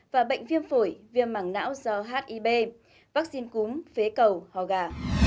và bệnh viêm phổi viêm mảng não do hib vaccine cúm phế cầu ho gà